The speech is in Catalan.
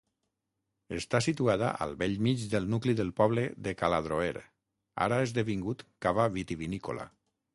Està situada al bell mig del nucli del poble de Caladroer, ara esdevingut cava vitivinícola.